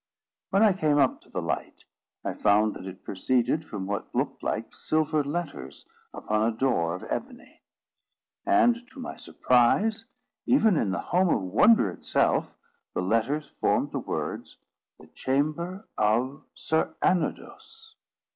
When I came up to the light, I found that it proceeded from what looked like silver letters upon a door of ebony; and, to my surprise even in the home of wonder itself, the letters formed the words, The Chamber of Sir Anodos.